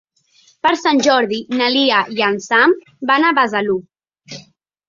Per Sant Jordi na Lia i en Sam van a Besalú.